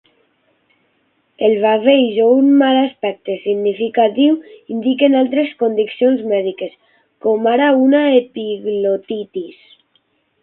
El baveig o un mal aspecte significatiu indiquen altres condicions mèdiques, com ara una epiglotitis.